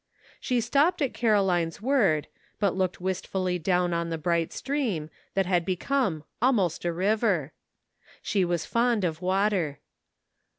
She stopped at Caroline's word, but looked wistfully down on the bright stream, that had become "almost a river." She was fond of water.